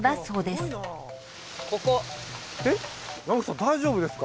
大丈夫ですか？